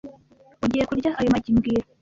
Ugiye kurya ayo magi mbwira